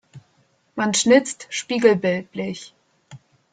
Man schnitzt spiegelbildlich.